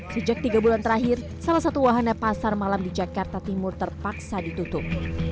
sejak tiga bulan terakhir salah satu wahana pasar malam di jakarta timur terpaksa ditutup